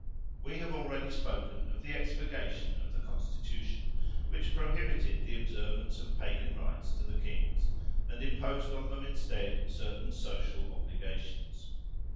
We have already spoken of the expurgation of the constitution, which prohibited the observance of Pagan rites to the kings, and imposed on them instead, certain social obligations.